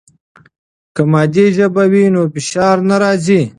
که مادي ژبه وي نو فشار نه راځي.